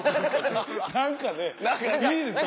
何かねいいですよね。